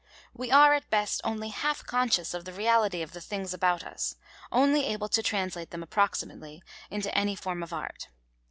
We are at best only half conscious of the reality of the things about us, only able to translate them approximately into any form of art.